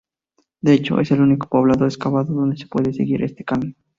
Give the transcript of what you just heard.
De hecho es el único poblado excavado donde se puede seguir este cambio.